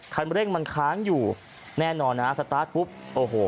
คันเร่งมันค้างอยู่แน่นอนฮะสตาร์ทปุ๊บโอ้โห